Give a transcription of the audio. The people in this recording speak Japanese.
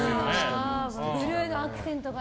ブルーのアクセントが。